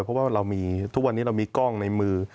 เพราะว่าเรามีทุกวันนี้เรามีกล้องในมือ